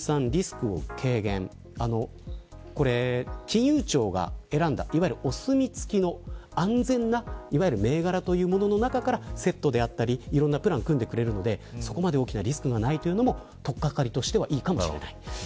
金融庁が選んだお墨付きの安全な銘柄というものの中からセットやプランを組んでくれるのでそこまで大きなリスクがないというのも、とっかかりとしてはいいかもしれない。